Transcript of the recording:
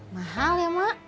mahal ya emak